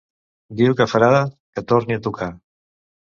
Diu que farà que torni a tocar!